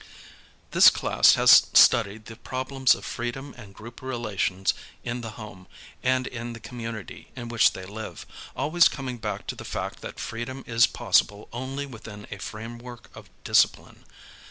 This class has studied the problems of freedom and group relations in the home and in the comniunitv in which they live, always coming back to the fact that freedom is possible only within a framework of discipline.